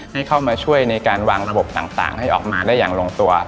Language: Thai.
ให้เข้ามาช่วยในการวางระบบต่างให้ออกมาได้อย่างลงตัว